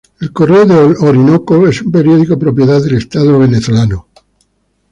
El "Correo del Orinoco" es un periódico propiedad del Estado venezolano.